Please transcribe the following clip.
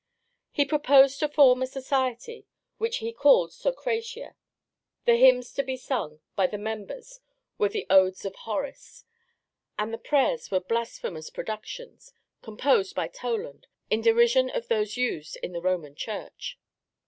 He proposed to form a society which he called Socratia; the hymns to be sung by the members were the Odes of Horace, and the prayers were blasphemous productions, composed by Toland, in derision of those used in the Roman Church.